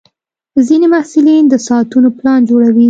ځینې محصلین د ساعتونو پلان جوړوي.